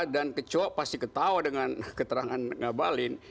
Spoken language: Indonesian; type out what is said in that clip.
dan kecoak pasti ketawa dengan keterangan ngabalin